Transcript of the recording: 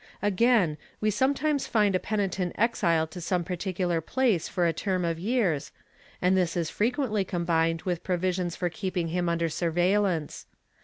^ Again, we sometimes find a penitent exiled to some particular place for a term of years, and this is frequently combined with provisions for keeping him under surveillance.